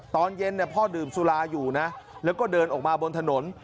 ตอนเย็นพ่อดื่มสุราอยู่นะแล้วก็เดินออกมาบนถนน